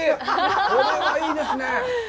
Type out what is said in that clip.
これはいいですね。